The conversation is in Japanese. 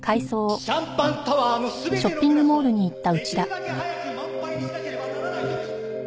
シャンパンタワーの全てのグラスをできるだけ早く満杯にしなければならない時。